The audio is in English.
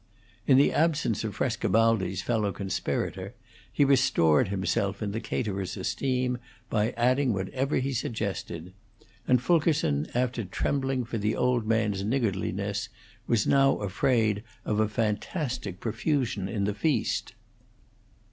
In the absence of Frescobaldi's fellow conspirator he restored himself in the caterer's esteem by adding whatever he suggested; and Fulkerson, after trembling for the old man's niggardliness, was now afraid of a fantastic profusion in the feast.